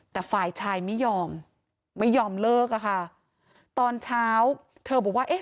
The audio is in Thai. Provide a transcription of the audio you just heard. แต่ฝ่ายชายไม่ยอมไม่ยอมเลิกอะค่ะตอนเช้าเธอบอกว่าเอ๊ะ